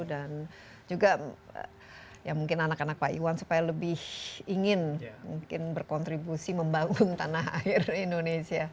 dan juga ya mungkin anak anak pak iwan supaya lebih ingin mungkin berkontribusi membangun tanah air indonesia